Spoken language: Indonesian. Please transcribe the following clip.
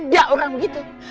gak orang begitu